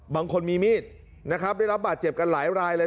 บางคนมีมีดได้รับบาดเจ็บกันหลายเลย